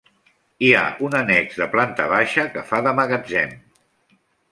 Hi ha un annex de planta baixa, que fa de magatzem.